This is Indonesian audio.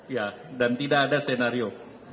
ya dan tidak ada senario